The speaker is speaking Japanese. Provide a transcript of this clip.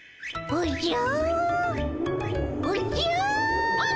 おじゃ！